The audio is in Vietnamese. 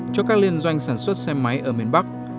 cho các liên doanh sản xuất xe máy ở miền bắc